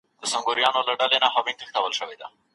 برېښنايي کتابونه د مطالعې عادت او لګښت ستونزې آسانه کوي.